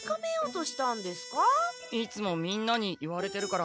いつもみんなに言われてるから。